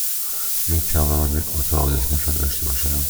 می توانم یک اتاق یک نفره داشته باشم؟